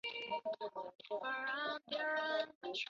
请注意部份古道的路径可能不明显或不连贯。